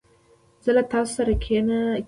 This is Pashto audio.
زه له تاسو سره کینه لرم.